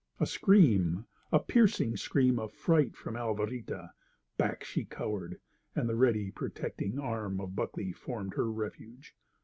A scream—a piercing scream of fright from Alvarita. Back she cowered, and the ready, protecting arm of Buckley formed her refuge.